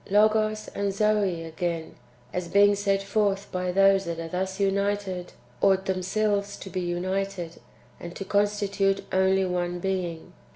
Logos and Zoe again, as being sent forth by those that are thus united, ought themselves to be united, and to constitute only one being.